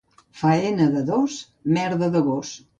Faena de dos, merda de gos.